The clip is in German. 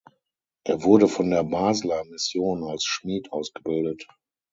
Er wurde von der Basler Mission als Schmied ausgebildet.